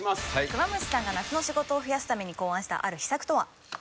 クマムシさんが夏の仕事を増やすために考案したある秘策とは？